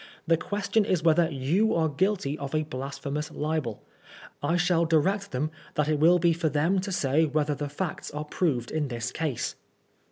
The question is whether you are gmlty of a blasphemous libeL I shall direct them that it will be for them to say whether the facts are proved in this case.